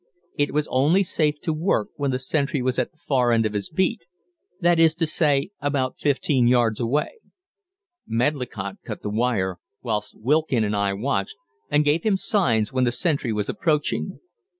It was only safe to work when the sentry was at the far end of his beat; that is to say, about 15 yards away. Medlicott cut the wire, whilst Wilkin and I watched and gave him signs when the sentry was approaching.